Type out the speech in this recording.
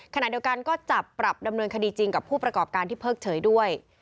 ขณะเดียวกันก็จับปรับดำเนินคดีจริงกับผู้ประกอบการที่เพิกเฉยด้วย